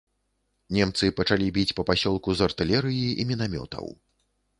Немцы пачалі біць па пасёлку з артылерыі і мінамётаў.